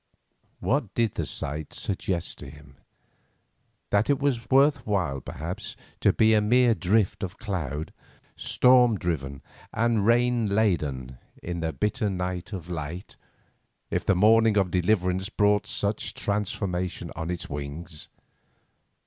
What did the sight suggest to him? That it was worth while, perhaps, to be a mere drift of cloud, storm driven and rain laden in the bitter Night of Life, if the Morning of Deliverance brought such transformation on its wings.